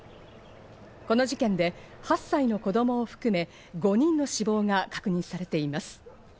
この事件で８歳の子供含む５人の死亡が確認されています。